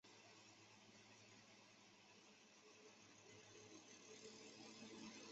它是氟化氯与含氧化合物反应产生的常见副产物。